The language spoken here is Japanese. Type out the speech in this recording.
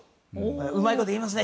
うまいこと言いますね。